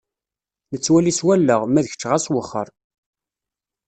Nettwali s wallaɣ, ma d kečč ɣas wexxeṛ.